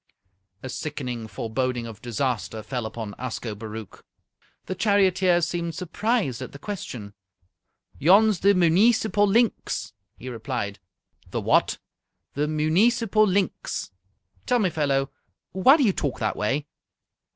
A sickening foreboding of disaster fell upon Ascobaruch. The charioteer seemed surprised at the question. "Yon's the muneecipal linx," he replied. "The what?" "The muneecipal linx." "Tell me, fellow, why do you talk that way?"